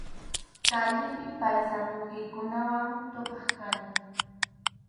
Kallipi paysanuykikunawan tupaq kanki.